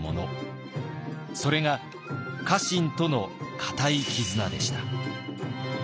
それが家臣との固い絆でした。